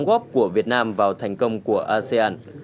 góp của việt nam vào thành công của asean